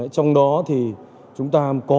trong đó thì chúng ta có